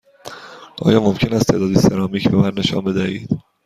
آیا ممکن است تعدادی سرامیک به من نشان بدهید؟